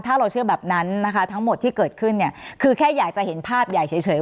ถ้าเราเชื่อแบบนั้นนะคะทั้งหมดที่เกิดขึ้นเนี่ยคือแค่อยากจะเห็นภาพใหญ่เฉย